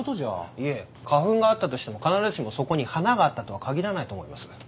いえ花粉があったとしても必ずしもそこに花があったとは限らないと思います。